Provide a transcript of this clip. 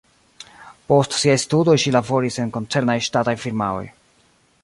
Post siaj studoj ŝi laboris en koncernaj ŝtataj firmaoj.